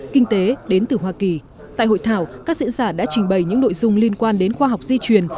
kinh tế đến từ hoa kỳ tại hội thảo các diễn giả đã trình bày những nội dung liên quan đến khoa học di truyền